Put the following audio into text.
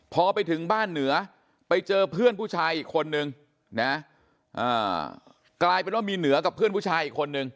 พอไปถึงบ้านเหนือไปเจอเพื่อนผู้ชายอีกคนนึงนะกลายเป็นว่ามีเหนือกับเพื่อนผู้ชายอีกคนนึง